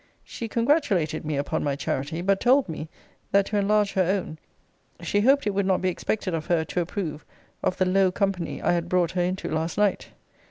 She congratulated me upon my charity; but told me, that to enlarge her own, she hoped it would not be expected of her to approve of the low company I had brought her into last night.